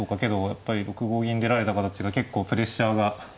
やっぱり６五銀出られた形が結構プレッシャーが。